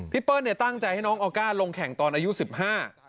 เปิ้ลเนี่ยตั้งใจให้น้องออก้าลงแข่งตอนอายุสิบห้า